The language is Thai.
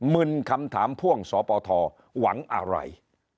มึนคำถามพ่วงสปทหวังอะไร